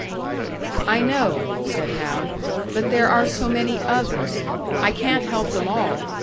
"I know," said Hal, "but there are so many others; I can't help them all.